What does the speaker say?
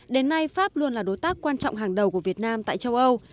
đến nay pháp luôn là đối tác quan trọng hàng đầu của việt nam tại châu âu